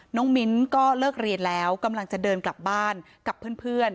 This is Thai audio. มิ้นก็เลิกเรียนแล้วกำลังจะเดินกลับบ้านกับเพื่อน